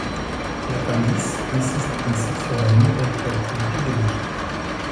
L'appendice insiste ainsi sur la non-rétroactivité des lois.